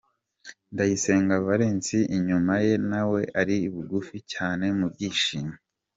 Ndayisenga Valens inyuma ye nawe ari bugufi cyane mu byishimo.